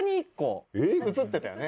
映ってたよね？